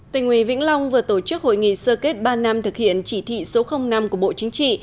tỉnh ủy vĩnh long vừa tổ chức hội nghị sơ kết ba năm thực hiện chỉ thị số năm của bộ chính trị